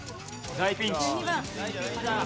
大ピンチだ。